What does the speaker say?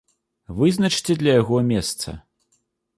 Вызначце для яго месца.